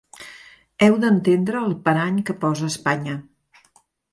Heu d’entendre el parany que posa Espanya…